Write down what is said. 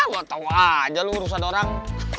gak tau aja lo urusan orang